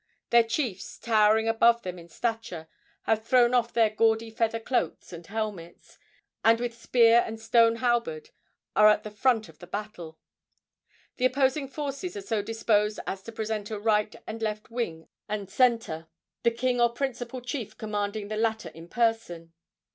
Their chiefs, towering above them in stature, have thrown off their gaudy feather cloaks and helmets, and, with spear and stone halberd, are at the front of battle. The opposing forces are so disposed as to present a right and left wing and centre, the king or principal chief commanding the latter in person.